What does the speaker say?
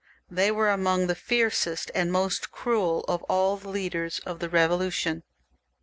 They were amongst the fiercest and most cruel of all the leaders of the Eevolu tion.